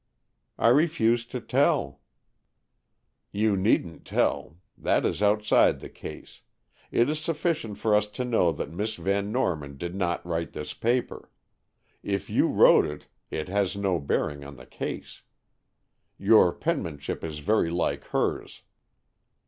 "I refuse to tell." "You needn't tell. That is outside the case. It is sufficient for us to know that Miss Van Norman did not write this paper. If you wrote it, it has no bearing on the case. Your penmanship is very like hers."